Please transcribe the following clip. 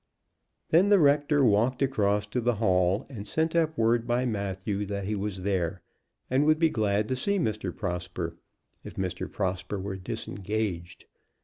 Then the rector walked across to the Hall, and sent up word by Matthew that he was there, and would be glad to see Mr. Prosper, if Mr. Prosper were disengaged.